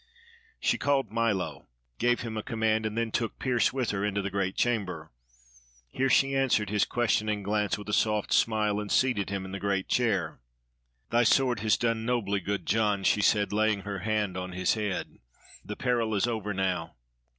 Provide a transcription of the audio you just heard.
She called Milo, gave him a command, and then took Pearse with her into the great chamber. Here she answered his questioning glance with a soft smile, and seated him in the great chair. "Thy sword has done nobly, good John," she said, laying her hand on his head. "The peril is over now.